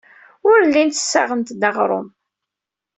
Ur llint ssaɣent-d aɣrum.